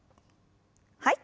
はい。